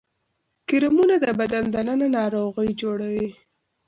کرمونه د بدن دننه ناروغي جوړوي